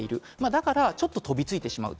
だから、ちょっと飛びついてしまう。